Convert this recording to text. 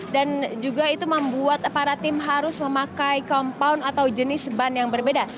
dan juga itu membuat para tim harus memakai compound atau jenis ban yang berbeda